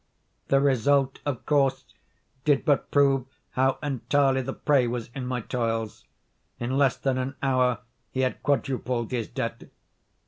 The result, of course, did but prove how entirely the prey was in my toils: in less than an hour he had quadrupled his debt.